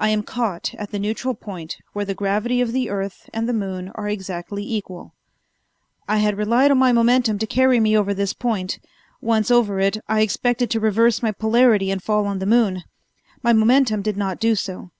I am caught at the neutral point where the gravity of the earth and the moon are exactly equal. "I had relied on my momentum to carry me over this point. Once over it, I expected to reverse my polarity and fall on the moon. My momentum did not do so.